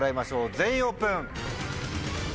全員オープン！